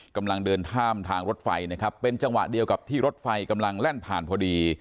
กำลังเดินข้ามทางรถไฟนะครับเป็นจังหวะเดียวกับที่รถไฟกำลังแล่นผ่านพอดี